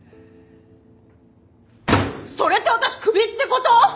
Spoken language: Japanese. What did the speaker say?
それって私クビってこと？